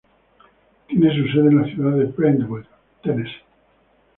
Tiene su sede en la ciudad de Brentwood, Tennessee.